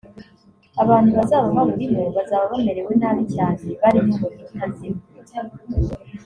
abantu bazaba bawurimo bazaba bamerewe nabi cyane bari n’umuriro utazima